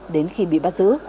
đến khi bị bắt giữ